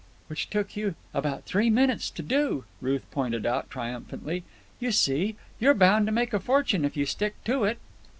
"Which took you about three minutes to do," Ruth pointed out triumphantly. "You see! You're bound to make a fortune if you stick to it."